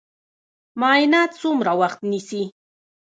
معاینات څومره وخت نیسي؟